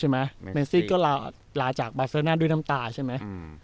เมนซี่ก็ลาจากบาเซอร์น่าด้วยน้ำตาใช่ไหม